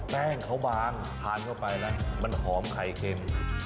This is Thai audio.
แป้งเขาบางทานเข้าไปนะมันหอมไข่เค็ม